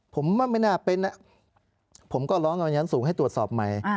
พมันไม่น่าเป็นผมก็ร้องยังสูงให้ตรวจสอบใหม่